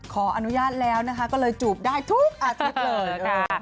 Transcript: ขออนุญาตแล้วนะคะก็เลยจูบได้ทุกอาทิตย์เลย